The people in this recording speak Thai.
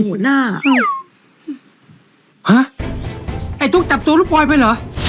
จริงหูหน้าก้าวฮ่าไอ้จับแล้วปล่อยไปเหรอ